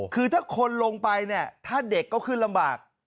คือถ้าคนลงไปเนี่ยถ้าเด็กก็ขึ้นลำบาก